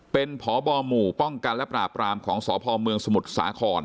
เป็นพบหมู่ป้องกันและปราบรามของสพเมืองสมุทรสาคร